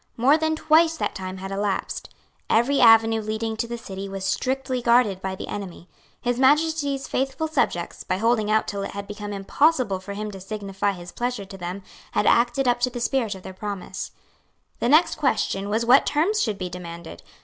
More than twice that time had elapsed. Every avenue leading to the city was strictly guarded by the enemy. His Majesty's faithful subjects, by holding out till it had become impossible for him to signify his pleasure to them, had acted up to the spirit of their promise. The next question was what terms should be demanded.